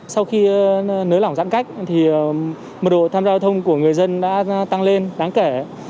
sau khi nới lỏng giãn cách mật độ tham gia giao thông của người dân đã tăng lên đáng kể